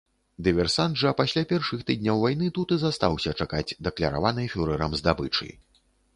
Дыверсант жа пасля першых тыдняў вайны тут і застаўся чакаць дакляраванай фюрэрам здабычы.